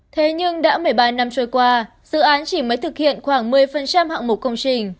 thế nhưng đã một mươi ba năm trôi qua dự án chỉ mới thực hiện khoảng một mươi hạng mục công trình